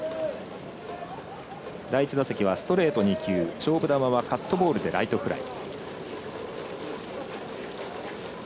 第１打席はストレート２球勝負球はカットボールでライトフライ。